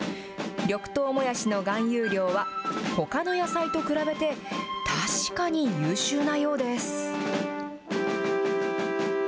緑豆もやしの含有量は、ほかの野菜と比べて、確かに優秀なようです。